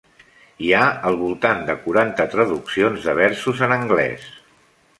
Hi ha al voltant de quaranta traduccions de versos en anglès.